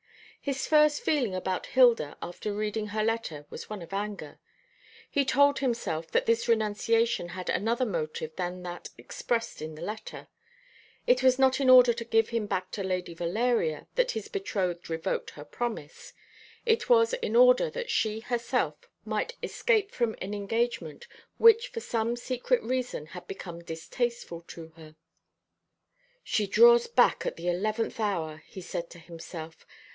His first feeling about Hilda after reading her letter was one of anger. He told himself that this renunciation had another motive than that expressed in the letter. It was not in order to give him back to Lady Valeria that his betrothed revoked her promise. It was in order that she herself might escape from an engagement which for some secret reason had become distasteful to her. "She draws back at the eleventh hour," he said to himself.